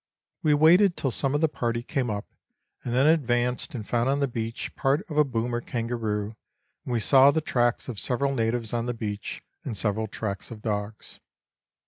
We waited till some of the party came up, and then advanced and found on the beach part of a boomer kangaroo, and we saw the tracks of several natives on the beach, and several tracks of dogs.